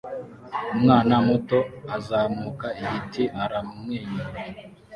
Umwana muto uzamuka igiti aramwenyura